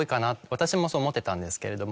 私もそう思ってたんですけれども。